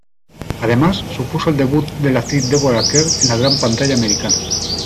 Además, supuso el debut de la actriz Deborah Kerr en la gran pantalla americana.